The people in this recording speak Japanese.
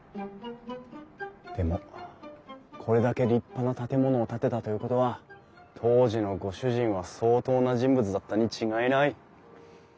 でもこれだけ立派な建物を建てたということは当時のご主人は相当な人物だったに違いない。